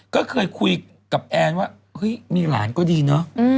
ก็เคยคุยกับแอลล์ว่ามีหลานก็ดีเนาะ